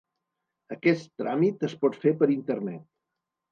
Aquest tràmit es pot fer per internet.